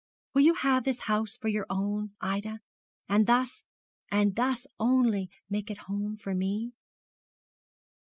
Will you have this old house for your own, Ida, and thus, and thus only, make it home for me?